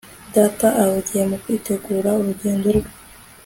data ahugiye mu kwitegura urugendo rwe